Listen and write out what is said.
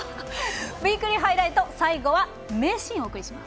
「ウイークリーハイライト」最後は名シーンをお送りします。